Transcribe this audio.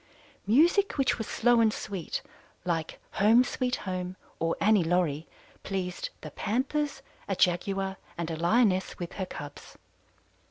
"Music which was slow and sweet, like 'Home, Sweet Home' or 'Annie Laurie,' pleased the Panthers, a Jaguar, and a Lioness with her cubs.